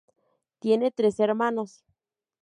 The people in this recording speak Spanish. Tiene tres hermanos.